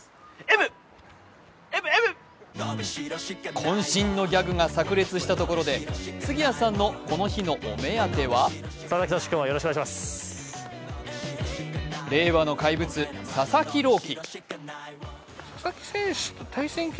こん身のギャグがさく裂したところで杉谷さんのこの日のお目当ては令和の怪物・佐々木朗希。